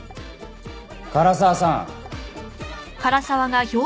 唐沢さん！